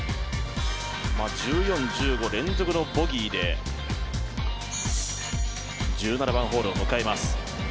１４、１５連続のボギーで１７番ホールを迎えます。